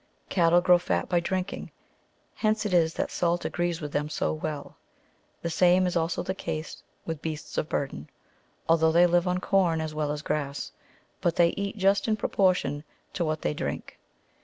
Cattle grow fat by drinking ; hence it is that salt agrees with them so well ; the same is also the case with beasts of burden, although they live on corn as well as grass ; but they eat just in proportion to what they drink.